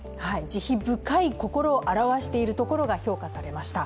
慈悲深い心を表しているところが評価されました。